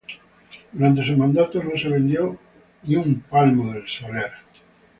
Durante su mandato no se vendió ni un palmo del Saler.